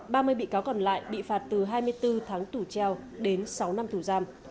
ba mươi bị cáo còn lại bị phạt từ hai mươi bốn tháng tù treo đến sáu năm tù giam